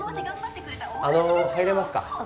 あの入れますか？